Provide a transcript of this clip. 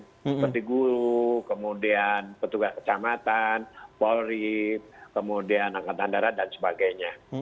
seperti guru kemudian petugas kecamatan polri kemudian angkatan darat dan sebagainya